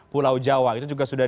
pulau jawa itu juga sudah